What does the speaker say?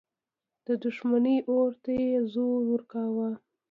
د دښمني اور ته یې زور ورکاوه.